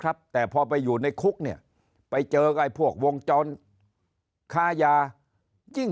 ครับแต่พอไปอยู่ในคุกเนี่ยไปเจอกับไอ้พวกวงจรค้ายายิ่ง